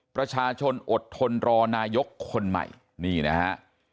ประชาชนอดทนรอนายกคนใหม่นี่นะฮะ